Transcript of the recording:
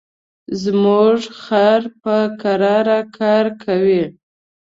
زموږ خر په کراره کار کوي.